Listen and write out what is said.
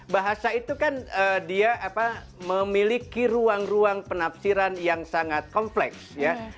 bahasa itu kan dia memiliki ruang ruang penafsiran yang sangat kompleks ya